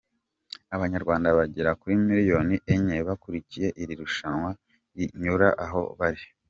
Abanyarwanda bagera kuri miliyoni enye bakurikiye iri rushanwa ribanyuraho aho bari.